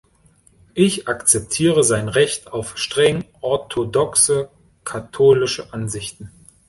Ich akzeptiere sein Recht auf streng orthodoxe katholische Ansichten.